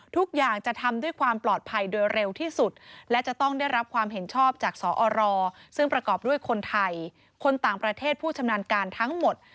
ทุกอย่างจะทำด้วยความปลอดภัยโดยเร็วที่สุดและจะต้องได้รับความเห็นชอบจากสอรซึ่งประกอบด้วยคนไทยคนต่างประเทศผู้ชำนาญการทั้งหมด